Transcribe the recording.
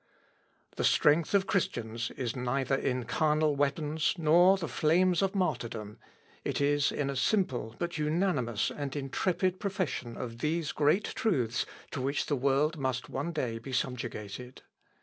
The strength of Christians is neither in carnal weapons, nor the flames of martyrdom it is in a simple but unanimous and intrepid profession of these great truths to which the world must one day be subjugated.